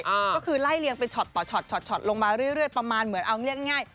ก็คือไล่เลียงเป็นช็อตต่อช็อตลงมาเรื่อยประมาณเหมือนเอาง่าย